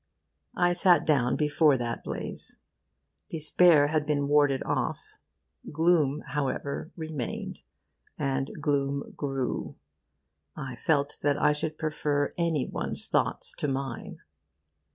I sat down before that blaze. Despair had been warded off. Gloom, however, remained; and gloom grew. I felt that I should prefer any one's thoughts to mine.